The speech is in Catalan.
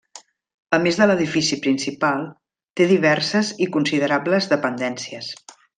A més de l'edifici principal, té diverses i considerables dependències.